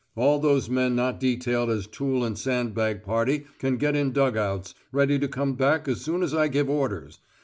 All those men not detailed as tool and sand bag party can get in dug outs, ready to come back as soon as I give orders.